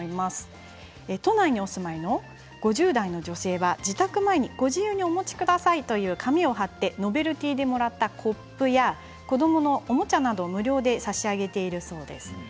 都内にお住まいの５０代の女性は自宅前にご自由にお持ちくださいという紙を貼ってノベルティーでもらったコップや子どものおもちゃなどを無料で差し上げているそうです。